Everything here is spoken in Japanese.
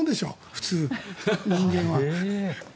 普通、人間は。